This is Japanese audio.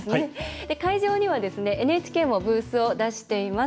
会場にはＮＨＫもブースを出しています。